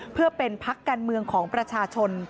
เพื่อเป็นพักการเมืองของประชาชน